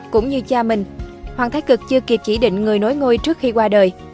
cũng như cha mình hoàng thái cực chưa kịp chỉ định người nối ngôi trước khi qua đời